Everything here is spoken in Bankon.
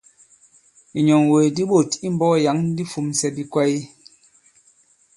Ìnyɔ̀ŋwègè di ɓôt i mbɔ̄k yǎŋ di fūmsɛ mayo.